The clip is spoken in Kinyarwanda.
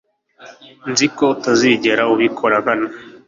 Nzi ko utazigera ubikora nkana.